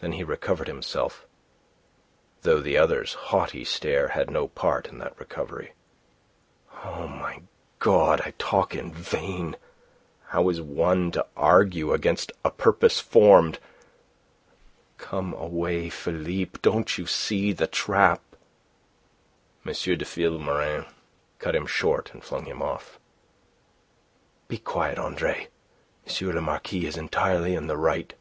Then he recovered himself, though the other's haughty stare had no part in that recovery. "O my God, I talk in vain! How is one to argue against a purpose formed! Come away, Philippe. Don't you see the trap..." M. de Vilmorin cut him short, and flung him off. "Be quiet, Andre. M. le Marquis is entirely in the right."